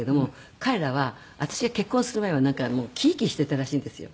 彼らは私が結婚する前はなんかキーキーしていたらしいんですよ。